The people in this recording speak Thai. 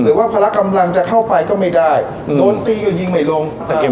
หรือว่าพละกำลังจะเข้าไปก็ไม่ได้อืมโดนตีอยู่ยิงไหมลงแต่เก็บลับ